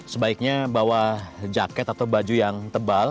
sebaiknya bawa jaket atau baju yang tebal